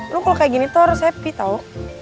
lu kalau kayak gini tuh harus happy tau